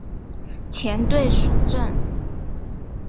前队属正。